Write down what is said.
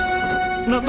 何だ！？